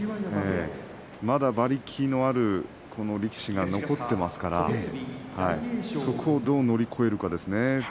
まだ馬力のある力士が残っていますからそこをどう乗り越えるか。